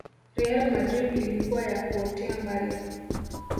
Real Madrid ilikuwa ya kuotea mbali